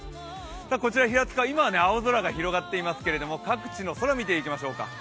こちら平塚は今は青空広がっていますけれども、各地の空、見ていきましょうか。